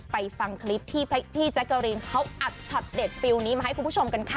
ฟังคลิปที่พี่แจ๊กเกอรีนเขาอัดช็อตเด็ดฟิลนี้มาให้คุณผู้ชมกันค่ะ